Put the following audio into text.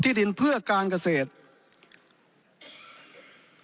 ที่ดินเพื่อการเกษตรนะครับหมายความว่าที่ดินในเขตรูปที่ดินเพื่อการเกษตร